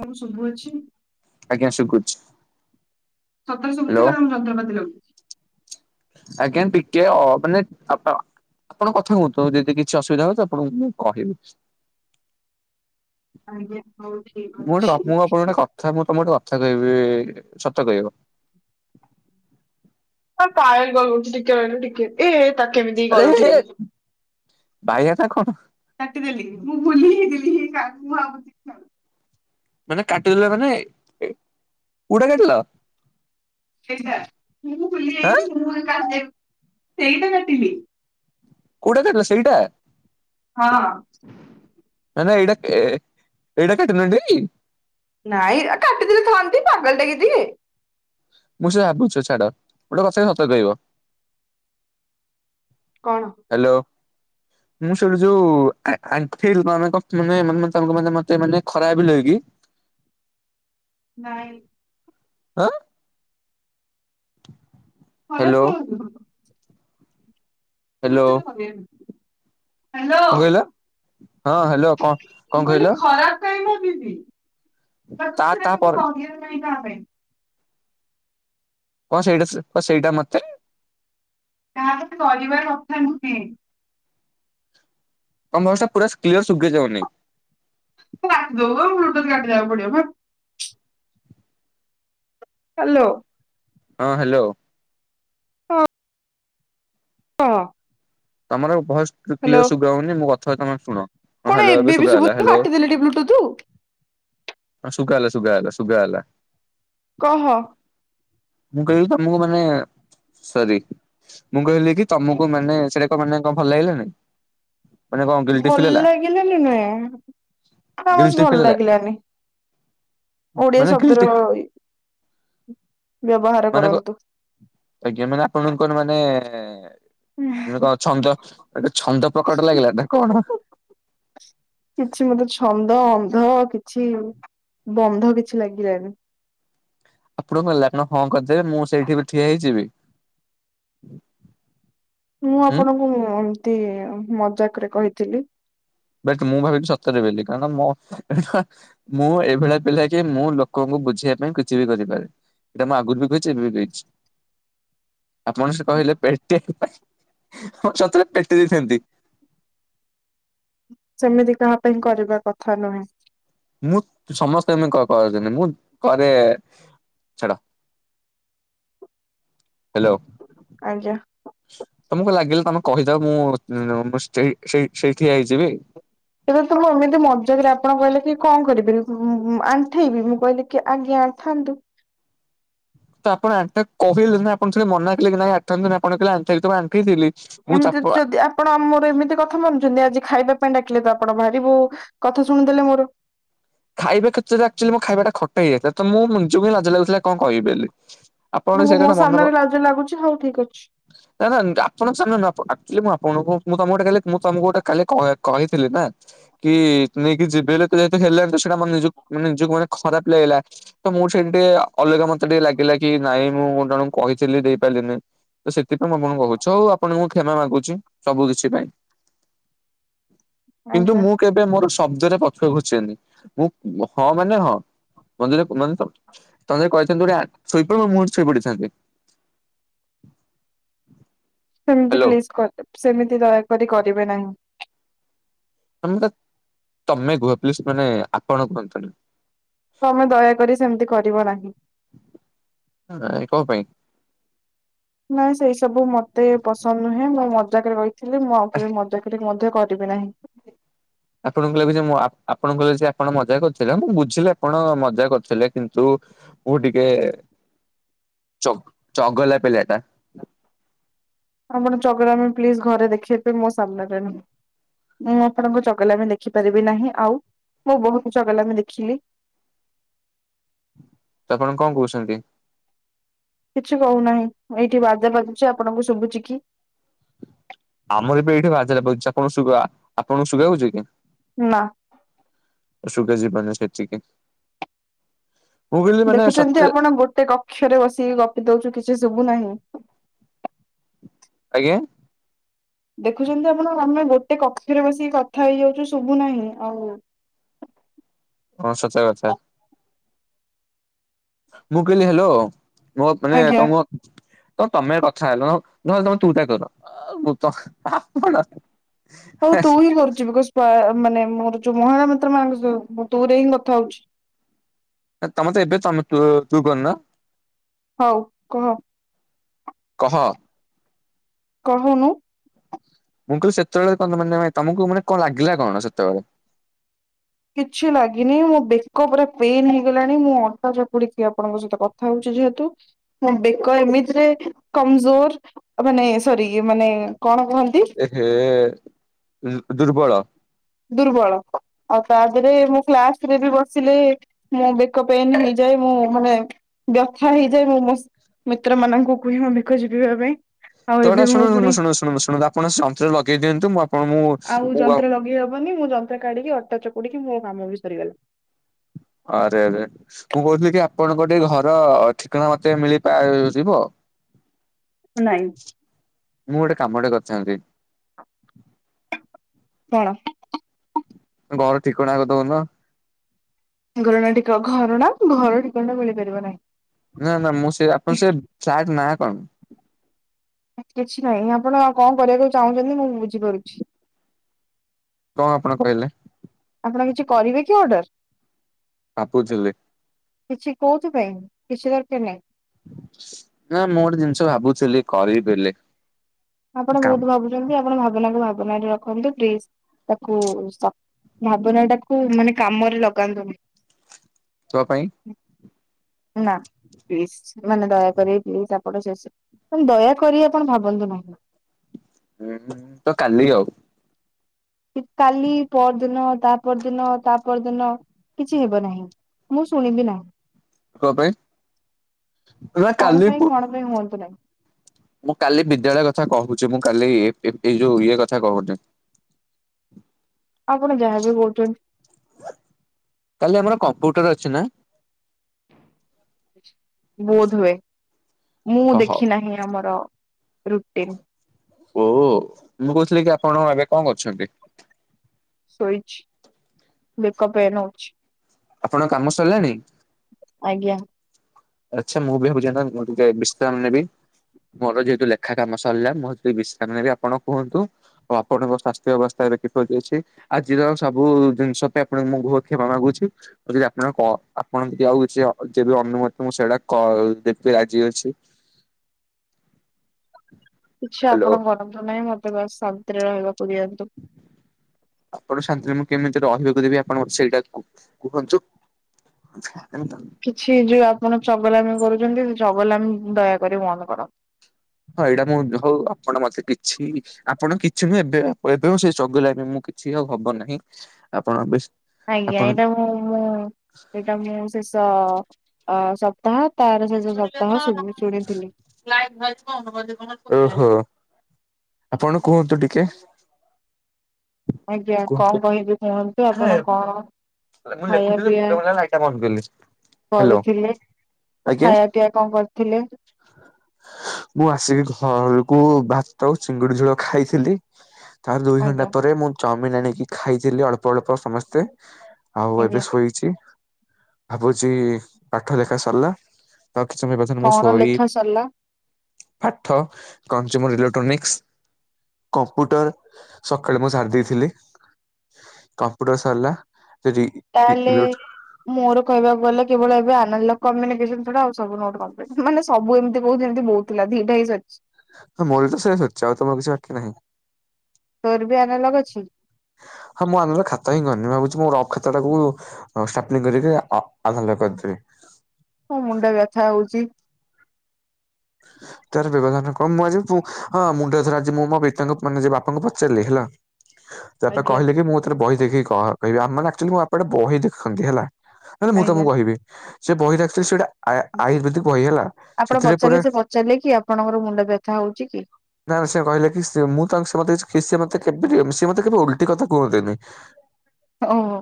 ମୁର ଶଭୁ ଅଛି ଆଜ୍ଞା ଶୁଭୁଛି। ସତରଶହ ଉଚ ହ୍ୟାଲୋ କ ଆମ ଯନ୍ତ୍ରପାତି ଲଗୁଛି। [unintelligible] ଆପଣ କଥା କୁହନ୍ତୁ ଯଦି କିଛି ଅସୁବିଧା ହଉ ତ ଆପଣଙ୍କୁ କହିବି। ଆଜ୍ଞା ହଉ ଠିକ ମୁଁ ଗୋଟେ ଅଛି। ତମଙ୍କ ଉପରେ ଗୋଟେ କଥା ମୁଁ ତମେ ଗୋଟେ କଥା କହିବି। ଏ ସତ କହିବ ହ କାୟ ହହୁଛି ଟିକେ ରେିଲ ଟିକେ ଏ ତା କେମିତିିଁ ଆରେ କଲଠିକ ବାଇଆ ନା କଣ କାଟିଦେଲି ମୁଁ ବୁଲି ହେ ଦେଲିିା ମୁ ଆ ମାନେ କାଟିଦେଲେ ମାନେ ଉଡ଼ା କାଟିଲ। ସେଇଟା ମୁଁ ଭୁଲି ଆଁ ଯାଇଛି ମୁଁ ସେଇଟା କାଟିଲି କୁଉଡ଼ା କାଟିଲ ସେଇଟା। ହଁ ଏ ଏଇଟା କାଟିନଡି। ନାଇଁ କାଟିଦଲେ ଥାଆନ୍ତି ପାଗଲ୍ ଟକି ଦିଏ ମୁଁ ସେ ଭାବୁଛ ଛାଡ ଗୋଟେ କଥା ସତ କହିବ। କଣ? ହ୍ୟାଲୋ ମୁଁ ଶଇଣୁ ଯୋଉେ ମାନେେମ ମାନେ ମତେ ମାନେ ଖରା ବି ଲକି [inaudible] ନାଇଁ। ଆଁ [inaudible] ହରେ ହ୍ୟାଲୋ କ ହ୍ୟାଲୋ ଅଚନ ଭେଇନ। ହ୍ୟାଲୋ। କଣ କହିଲ? ହଁ ହ୍ୟାଲୋ କଣ କଣ ମୁଁ କହିଲ କହିଲି ଖରାପ କାଇଁ ଭାବିବି? ବା ତା ତା ସେି ପରେ କ ପାଇଁ [unintelligible] କଣ ସେଇଟା କ ସେଇଟା ମତେ କାହା ତ ପରିବାର କଥା ନୁହେଁ। କମ ବ୍ୟବସ ପୁରା କ୍ଲିୟର ସୁବାଯାଉନି। ରଖ ଦ ଲୋଟସ କାଟ ଯବା ପଡ଼ିବ ବା। ହାଲୋ। ହଁ ହ୍ୟାଲୋ। ହଁ। ହଁ। ତମର ଭୟସ କ୍ଲିୟର ହ୍ୟାଲୋ ସୁୁଗ୍ର ହଉନି ମୁଁ କଥା ହ ତମେ ଶୁଣ ହଁ କଣ ହ୍ୟାଲୋ ଅ ଏବେ ବି ସୁବା ହେଲା ଶୁଭୁନି ହ୍ୟାଲୋ। କାଟିଦେଲି ଟି ବ୍ଲୁଟୁଥୁ ସୁଖ ଆଲା ସୁଖା ଆଲା ସୁଖ ଆଲା କହ ମୁଁ କହିଲି ତମକୁ ମାନେ ସରି ମୁଁ କହିଲି କି ତମକୁ ମାନେ ସେଟାକ ମାନେ କଣ ଭଲ ଲାଗିଲା ନାଇଁ। ଭଲ ଲାଗିଲାନି ନୁହେଁ ଖାସ୍ ଗିଲ୍ଟି ଭଲ ଫିଲ୍ ହେଲା ଲାଗିଲାନି। ଓଡ଼ିଆ ମାନେ ଗିଲ୍ଟି ଶବ୍ଦ। ମାନେ କ ଆଜ୍ଞା ମାନେ ଆପଣଙ୍କର ମାନେ କଣ ଛନ୍ଦଟ- ଛନ୍ଦ ପ୍ରକଟ ଲାଗିଲା ନା କଣ? କିଛି ମତେ ଛନ୍ଦ ବଧ କିଛି ବନ୍ଧ କିଛି ଲାଗିଲାଣିି। ଆପଣ କହିଲେ ଆପଣ ହଁ କରିଦେବେ, ମୁଁ ସେଇଠି ବି ଠିଆ ହେଇଯିବି। ମୁଁ ହୁଁ। ଆପଣଙ୍କୁ ଏମତି ମଜାକ ରେ କହିଥିଲି। ବଟ ମୁଁ ଭାବି ସତରେ ବେଲିି କାରଣ ମ, ମୁଁ ଏଇଭଳିଆ ପିଲା କି ମୁଁ ଲୋକଙ୍କୁ ବୁଝେଇବା ପାଇଁ କିଛି ବି କରିପାରେ, ଏଇଟା ମୁଁ ଆଗରୁ ବି କହିଛି ଏବେ ବି କହିଛି। ଆପଣ ସେ କହିଲେ ପେଟେ ପାଇଁ ଆପ ସତରେ ପେଟି ଦେଇଥାନ୍ତି। ସେମିତି କାହା ପାଇଁ କରିବା କଥା ନୁହେଁ। ମୁଁ ସମସ୍ତେ ଏମିତି କର-କରନ୍ତିନି ମୁଁ କରେ ଛାଡ। ହ୍ୟାଲୋ। ଆଜ୍ଞା। ତମକୁ ଲାଗିଲା ତମେ କହିଦଅ ମୁଁ ଅଁ-ମୁଁ ସେଇ ସେଇ ସେଇଠି ଠିଆ ହେଇଯିବି। ଏବେ ତ ମୁଁ ଏମିତି ମଜାକରେ ଆପଣ କହିଲେ କି କଣ କରିବି ଆଣ୍ଠେଇବି, ମୁଁ କହିଲି କି ଆଜ୍ଞା। ଆଣ୍ଠାନ୍ତୁ। ଏ କ ଆପଣ ଆ କହିଲେ ନା ଆପଣ ସେଟା ମନାକଲେ କି ନାହିଁ ଆଣ୍ଠାନ୍ତୁନି ଆପଣ କହିଲେ ଆ ଏମିତି ଯଦି ଆପଣ ଆମର ଏମିତି କଥା ମାନୁଛନ୍ତି ଆଜି ଖାଇବା ଡାକିଲେ ତ ଆପଣ ବାହାରିବୁ କଥା ଶୁଣିଦେଲେ ମୋର। ଖାଇବା କ୍ଷେତ୍ରରେ ଆକଚୁଆଲି ମୋ ଖାଇବାଟା ଖଟା ହେଇଯାଇଥିଲା ତ ମୁଁ ନିଜକୁ ହିଁ ଲାଜ ଲାଗୁଥିଲା କଣ କହିବି ବୋଲି। ଆପଣଙ୍କ ଆପଣଙ୍କୁ ସେଇ ମୋ କଥା ମନେ ପକା, ସାମ୍ନାରେ ଲାଜ ଲାଗୁଛି ହଉ ଠିକ ଅଛି ଆରେ ଆପଣ ସେଦିନ ନା ଆକଚୁଆଲି ମୁଁ ଆପ ଣ ମୁଁ ତମକୁ ଗୋଟେ କାଲି ମୁଁ ତମକୁ ଗୋଟେ କାଲି କହି-କହିଥିଲି ନା କି ନେଇକି ଯିବେ ହେଲେ ତୁ ଯେତୁ ହେଲେଣି ସେଟା ମୋ ନିଜକୁ, ମୋ ନିଜକୁ ମାନେ ଖରାପ ଲାଗିଲା ତ ମୋ ସେଠି ଟିକେ ଅଲଗା ମତେ ଟିକେ ଲାଗିଲା କି ନାଇଁ ମୁଁ ଜଣଙ୍କୁ କହିଥିଲି ଦେଇପାରିଲିନି ତ ସେଥ ସେଥିପାଇଁ ଆପଣଙ୍କୁ କହୁଛି, ଆଉ ଆପଣଙ୍କୁ କ୍ଷମା ମାଗୁଛି ସବୁ କିଛି ପାଇଁ। କିନ୍ତୁ ଆଜ୍ଞା ମୁଁ କେବେ ମୋର ଶବ୍ଦରେ ପକ୍ଷ ଘୋଚେନି। ମୁଁ ହଁ ମାନେ ହଁ, [unintelligible] ତମେ ଯଦି କହିଚ ଶୋଇପଡ଼ ବା ମୁଁ ସେଠି ଶୋଇପଡ଼ିଥାନ୍ତି। ସେମତି ପ୍ଲିଜ କରଦେ, ସେମିତି ଦୟାକରି କରିବେ ନାହିଁ। ତମେ ମତେ ତମେ କୁହ ପ୍ଲିଜ ମାନେ ଆପଣ କୁହନ୍ତୁନି। ତମେ ଦୟାକରି ସେମିତି କରିବ ନାହିଁ। କଣ ପାଇଁ? ନାଇଁ ସେଇ ସବୁ ମତେ ପସନ୍ଦ ନୁହେଁ, ମୁଁ ମଜାକରେ କହିଥିଲି, ମୁଁ ଆଉ କେବେ ମଜାକରେ କ କରିବି ନାହିଁ। ଆପଣଙ୍କୁ ଲାଗୁଛି ମୁଁ ଆପ-ଆପଣଙ୍କୁ ଲାଗୁଛି ଆପଣ ମଜା କରୁଥିଲେ, ମୁଁ ବୁଝିଲି ଆପଣ ମଜା କରିୁଥିଲେ, କିନ୍ତୁ ମୁଁ ଟିକେ ଚ-ଚଗଲା ପିଲା। ଆପଣ ଚଗଲାମି ପ୍ଲିଜ ଘରେ ଦେଖେଇବେ, ମୋ ସାମ୍ନାରେ ନୁହଁ। ମୁଁ ଆପଣଙ୍କ ଚଗଲାମି ଦେଖିପାରିବି ନାହିଁ, ଆଉ ମୁଁ ବହୁତ ଚାଗଲାମି ଦେଖିଲି। ତ ଆପଣ କଣ କହୁଛନ୍ତି? କିଛି କହୁନାହିଁ, ମ-ଏଇଠି ବାଜା ବାଜୁଛି ଆପଣଙ୍କୁ ଶୁଭୁଛି କି? ଆମର ବି ଏଇଠି ବାଜା ବାଜୁଛି ଆପଣଙ୍କୁ ଶୁଗା, ଆପଣଙ୍କୁ ଶୁଗା ହଉଚି କି? ନା। ଶୁଗା ଯିବନି ସେଠିକି। ଦେଖୁଛନ୍ତି ଆପଣ ଗୋଟେ କକ୍ଷରେ ବସିକି ଗପି ଦଉଛୁ କିଛି ଶୁଭୁ ନାହିଁ। ଆଜ୍ଞା? ଦେଖୁଛନ୍ତି ଆପଣ ଆମେ ଗୋ ଟେ କକ୍ଷରେ ବସିକି କଥା ହେଇଯାଉଛୁ ଶୁଭୁ ନାହିଁ ଆଉ। ହଁ ସଚ କଥା। ମୁ କହିଲି ହେଲୋ, ମୋ ମାନେ ଆଜ୍ଞା ତମ ତ ତମେ କଥା ହେଲ ନହଲେ ତମେ ତୁ ତା କର ମୁଁ ଆପଣ ହଉ ତୁ ହିଁ କରୁଚୁ ବିକଜ୍ ମାନେ ମୋର ଯୋଉ ମହିଳା ମ୍ର ମାଙ୍କ ଯ ତମ ତ ଏବେ ତମେ ତୁ ତୁ କରିନ? ହଉ କୁହ। କହ। କହନୁ। ମୁଁ କହିଲୁ ସେତେବେଳେ ମାନେ ତମକୁ ମାନେ କଣ ଲାଗିଲା କଣ ସେତେବେଳେ? କିଛି ଲାଗିନି ମୋ ବେକ ପୂରା ପେନ ହେଇଗଲାଣି ମୋ ଅଣ୍ଟା ଚପୁଡିକି ଆପଣଙ୍କ ସହିତ କଥା ହଉଚି। ହେତୁ ବେକ ଏମିତିରେ କମଜୋର ମାନେ ସରି ମାନେ କଣ କୁହନ୍ତି ଏ ହେ ଦୁର୍ବଳ। ଦୁର୍ବଳ ଆଉ ତାପହରେ ମୁଁ କ୍ଲାସ ରେ ବି ବସିଲେ ମୁଁ ବେକ ପେଇଁନ ନିଜ ଯ ମୁଁ ମାନେ ବ୍ୟଥା ହେଇଯାଏ ମୁଁ ମୋ ମିତ୍ର ମାନଙ୍କୁ କୁହେ ମ ବେକ ଚିପିବା ପାଇଁ ଆଉ ତ ଏବେ ଏଇଟା ଶୁଣୁ ମୁଁ ପୁଣି ଶୁୁ ଶୁଣୁ ଶୁଣୁ ଶୁଣନ୍ତୁ ଆପଣ ଶାନ୍ତିରେ ଲଗେଇ ଦିଅନ୍ତୁ ମୁଁ ଆପଣ ମୁ ଆଉ ଗ ଯନ୍ତ୍ର ଲଗେଇ ହବନି ମୁଁ ଯନ୍ତ୍ର କାଢିକି ଅଟା ଚକୁଡିକି ମୋ କାମ ବି ସରିଗଲା। [inaudible] ଆରେଆରେ ମୁଁ କହୁଥିଲି କି ଆପଣଙ୍କ ଟିକେ ଘର ଠିକଣା ମତେ ମିଳିପା ଯିବ? ନାଇଁ [inaudible] ମୁଁ ଗୋଟେ କାମଟେ କରିଥାନ୍ତି। କଣ ଘର ଠିକଣା ଆ କ ଦଉନ। ଘରଣା ଠିକ ଘରଣା ଘର ଠିକଣା ମିଳିପାରିବ ନାହିଁ। ନା ନା ମୁଁ ସେ ଆପଣ ସେ ଫ୍ଲାଟ୍ ନା କଣ? କିଛି ନାହିଁ ଆପଣ କଣ କରିବାକୁ ଚାହୁଁଚନ୍ତି ମୁଁ ବୁଝିପାରୁଚି। କଣ ଆପଣ କହିଲେ? ଆପଣ କିଛି କରିବେ କି ଅର୍ଡର? କାପୁ ଜିଲେ। କିଛି କୋଉଥିପାଇଁ କିଛି ଦରକାର ନାହିଁ। ନା ମୁଁ ଗୋଟେ ଜିନିଷ ଭାବୁଥିଲି କରିବି ବୋଲି। ଆପଣ କାମ ବହୁତ ଭାବୁଚନ୍ତି ଆପଣ ଭାବନାକୁ ଭାବନାରେ ରଖନ୍ତୁ। ପ୍ଲିଜ୍ ତାକୁ ଭାବନାଟାକୁ ମାନେ କାମରେ ଲଗାନ୍ତୁନି। ତୁଆ ପାଇଁ ନା। ପ୍ଲିଜ୍ ମାନେ ଦୟାକରି ପ୍ଲିଜ ଆପଣ ଶେଷ ଦୟାକରି ଆପଣ ଭାବନ୍ତୁ ନାହିଁ। ହୁଁ ତ କାଲି ଆଉ। କାଲି ପର ଦିନ ତା ପର ଦିନ ତା ପର ଦିନ କିଛି ହେବ ନାହିଁ। ମୁଁ ଶୁଣିବି ନାହିଁ। ତୋ ପାଇଁ ନା କଣ କାଲି ପାଇଁ କଣ ପାଇଁ ହୁଅନ୍ତୁ ନାହିଁ। ମୁଁ କାଲି ବିଦ୍ୟାଳୟ କଥା କହୁଚି, ମୁଁ କାଲି ଏଇ ଯୋଉ ଇଏ କଥା କହୁନି। [inaudible] ଆପଣ ଯାହାବି କରୁଚନ୍ତି କୋଟରେ ଅଛି ନା? ବୋଧ ହୁଏ ମୁଁ ହ ହଉ ଦେଖି ନାହିଁ ଆମର ରୁଟିନ୍। ଓ ମୁଁ କହୁଥିଲି ଆପଣ ଏବେ କଣ କରୁଚନ୍ତି? ଶୋଇଛି ବେକ ପେଇନ ହଉଚି। ଆପଣଙ୍କ କାମ ସରିଲାଣି? ଜ୍ଞା। ଆଚ୍ଛା ମୁଁ ବି ହେବି ଯାଇକିନା ମ ବିସ୍ତ୍ରାମ ନେବି। ମୋର ଯେହେତୁ ଲେଖା କାମ ସରିଲା ମୁଁ ଟିକେ ବିଶ୍ରାମ ନେବି। ଆପଣ କୁହନ୍ତୁ ଆପଣଙ୍କ ସ୍ୱାସ୍ଥ୍ୟ ଅବସ୍ଥାରେ ବିପତି ଅଛି। ଆଜିର ସବୁ ଜିନିଷ ପାଇଁ ଆପଣଙ୍କୁ ମୁଁ ବହୁତ କ୍ଷମା ମାଗୁଚି। ଆଉ ଯଦି ଆପଣଙ୍କ କଣ ଆପଣ ଟିକେ ଆଉ କିଛି, ଯେବେ ଅନୁମତ ମୁଁ ସେଇଟା କ ଦେବି ଆଜି ଅଛି। କିଛି ହ୍ୟାଲୋ ଆପଣ କରନ୍ତୁ ନାହିଁ। ମତେ ବାସ୍ ଶାନ୍ତିରେ ରହିବା ଆପଣ ଶାନ୍ତିରେ ମୁଁ କେମିତି ଟ ରହିବାକୁ ଦେବି ଆପଣ ସେଇଟା କୁ-କୁହନ୍ତୁ। ଝା କିଛି ଯୋଉ ଆପଣ ଚଗଲାମୀ କରୁଛନ୍ତି। ସେ ଚଗଲାମୀ ଦୟାକରି ବନ୍ଦ କର। ହଁ ଏଇଟା ମୁଁ ହଉ ଆପଣ ମତେ କିଛି! ଆପଣ କିଛି ମୁଁ ଏବେ ଏବେ ସେ ଚଗଲାମୀ ମୁଁ କିଛି ଆଉ ହବ ନାହିଁ। ଆପଣ ବେଶ ଆଜ୍ଞା, ଏଇଟା ମୁଁ ମୁଁ ଏଇଟା ମୁଁ ଶେଷ-ଅ-ଅ-ସପ୍ତାହ ଓହୋ! ଆପଣ କୁହନ୍ତୁ ଟିକେ? ଆଜ୍ଞା, କୁହନ୍ତୁ। କଣ କହିବି କୁହନ୍ତୁ ଆପଣ ଆରେ କଣ? ମୁଁ ଖାଇବା ଲେଖୁଥିଲି ପିଆ ମୁଣ୍ଡ ବୁଲେଇଲା ଲାଇଟ୍ ଟା ବନ୍ଦ କଲି ହ୍ୟାଲୋ। କରୁଥିଲେ। ଆଜ୍ଞା ଖାଇବା ପିଆ କଣ କରିଥିଲେ? ମୁଁ ଆସିକି ଘରକୁ ଭାତ ଚିଙ୍ଗୁଡି ଝୋଳ ଖାଇଥିଲି। ତାର ଦୁଇ ଘଣ୍ଟା ଆଜ୍ଞା ପରେ ମୁଁ ଚାଉମିିନ ଆଣିକି ଖାଇଥିଲି। ଅଳ୍ପ ଅଳ୍ପ ସମସ୍ତେ। ଆଉ ଏବେ ଆଜ୍ଞା ଶୋଇଛି। ଭାବୁଛି ପାଠ ଲେଖା ସରିଲା। ତା କି ସମୟ [unintelligible] ମୁଁ କଣ ଲେଖା ଶଇଫ ସରିଲା? ପାଠ, କଂଜୁମର, ଇଲେକ୍ଟ୍ରୋନିକ୍ସ, କମ୍ପ୍ୟୁଟର ସ କହିଲେ ମୁଁ ସାରି ଦେଇଥିଲି। କମ୍ପୁଟର ସରିଲା। ଯଦି ତାହେଲେ ମୋର କହିବାକୁ ଗଲେ କେବଳ ଏବେ ଆନାଲକ କୁ ଆମେମାନେ [unintelligible] ଆଉ ସବୁ ନୋଟ କମପ୍ଲିଟ। ମାନେ ସବୁ ଏମିତି ବହୁତ ଏମିତି ବହୁ ଥିଲା ଦିଟାଇ ସରିଛି। ମୋର ତବି ଶେଆ ସରିଛି। ଆଉ ତ ମର କିଛି ବାକି ନାହିଁ। ତୋର ବି ଆନାଲଗ ଅଛି? ହଁ ହଁ ମୁଁ ଆନାର ଖାତା ହିଁ କରନି। ମୁଁ ଭାବୁଛି! ମୋର ରଫ୍ ଖାତା ଟାକୁ ଷ୍ଟାପନିଙ୍ଗ କରିକି ଆଧାରଲ କରିଦେବି। ମଁ ମୁଣ୍ଡ ବ୍ୟଥା ହଉଛି। ହଁ ତାର ବ୍ୟବଧାନ କଣ ମୁଁ ଆଜି ହଁ ମୁଣ୍ଡଥର ଆଜି ମୋ ମୋ ପିତାଙ୍କୁ ମାନେ ବାପାଙ୍କୁ ପଚାରିଲି ହେଲା। ତାପରେ ଆଜ୍ଞା। କହିଲେ କି ମୁଁ ଏଥର ବହି ଦେଖିକି କହିବି। ଆମ ଆଡେ ବାପି ଆକ୍ଚୁଆଲି ଆମ ଏପଟେ ବହି ଦେଖନ୍ତି ହେଲା। ନହେଲେ ମୁଁ ଆଜ୍ଞା ତାକୁ କହିବି ସେ ବହି ରଖଥିଲି ସେଇଟା ଆ ଆୟୁର୍ବେଦିକ କହି ହେଲା ଆପଣ ସେଥିରେ ପଚାରିଲେ ପୁରା ସେ ପଚାରିଲେ କି ଆପଣଙ୍କର ମୁଣ୍ଡ ବ୍ୟଥା ହଉଛି କି? ନା ସେ କହିଲେ କି ମୁଁ ତାଙ୍କ ସ କି ସେ ମତେ କେବେବି ସେ ମତେ କେବେ ଉଲଟି କଥା କହନ୍ତିନି। ଓହୋ।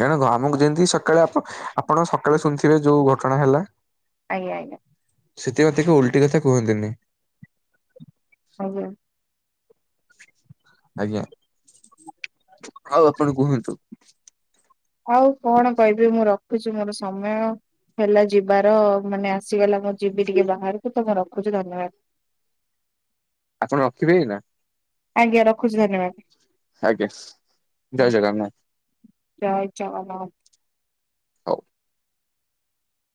ଜାଣନ୍ତୁ ଆମକୁ ଯେମିତି ସକାଳେ ଆପ ଆପଣ ସକାଳେ ଶୁଣିଥିବେ ଯୋଉ ଘଟଣା ହେଲା। ଆଜ୍ଞା ଆଜ୍ଞା। ସେଥି [unintelligible] ଉଲ୍ଟି କଥା କୁହନ୍ତିନି। ଆଜ୍ଞା। ଆଜ୍ଞା ଆଉ ଆପଣ କୁହନ୍ତୁ? ଆଉ କଣ କହିବି ମୁଁ ରଖୁଛି ମୋର ସମୟ ହେଲା ଯିବାର। ମାନେ ଆସିଗଲା ମୁଁ ଯିବି ଟିକେ ବାହାରକୁ ତ ମୁଁ ରଖୁଛି ଧନ୍ୟବାଦ। ଆପଣ ରଖିବେ ନା। ଆଜ୍ଞା ରଖୁଛି ଧନ୍ୟବାଦ। ଆଜ୍ଞା ଜୟ ହଁ ଜଗନ୍ନାଥ। ଜୟ ଜଗନ୍ନାଥ। ହଉ।